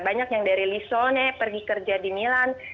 banyak yang dari lissone pergi kerja di milan